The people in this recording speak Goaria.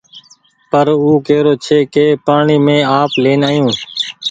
پر او ڪيرو ڇي ڪي پآڻيٚ مينٚ آپ لين آيون